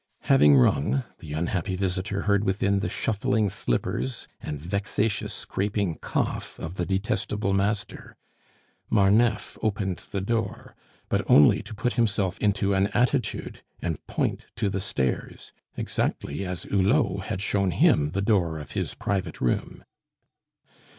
Having rung, the unhappy visitor heard within the shuffling slippers and vexatious scraping cough of the detestable master. Marneffe opened the door, but only to put himself into an attitude and point to the stairs, exactly as Hulot had shown him the door of his private room.